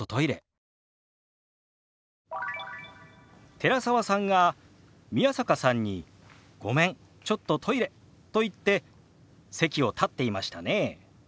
寺澤さんが宮坂さんに「ごめんちょっとトイレ」と言って席を立っていましたね。